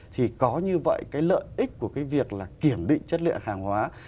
thì có như vậy cái lợi ích của cái việc là kiểm định chất lượng hàng hóa